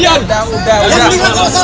siapa yang bilang kamu salah